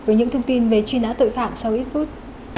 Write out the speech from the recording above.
với những thông tin về truy nã tội phạm sau ít phút